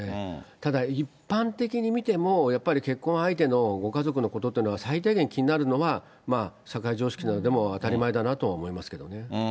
ただ、一般的に見ても、やっぱり結婚相手のご家族のことっていうのは、最低限、気になるのが社会常識でも当たり前だなと思いますけどね。